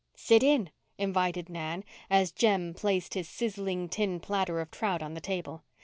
"Sit in," invited Nan, as Jem placed his sizzling tin platter of trout on the table.